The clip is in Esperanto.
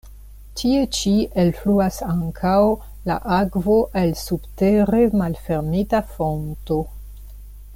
Tie ĉi elfluas ankaŭ la akvo el subtere malfermita fonto.